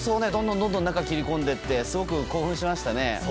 早々、中に切り込んでいってすごく興奮しましたね。